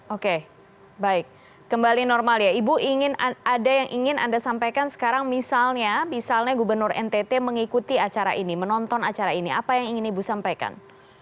oke baik kembali normal ya ibu ada yang ingin anda sampaikan sekarang misalnya gubernur ntt mengikuti acara ini menonton acara ini apa yang ingin ibu sampaikan